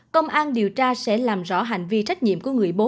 công an điều tra sẽ làm rõ hành vi trách nhiệm của người bố